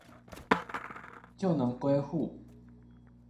就能歸戶